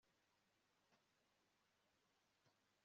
ugaburira yohani ibiryo byinshi kurusha mariya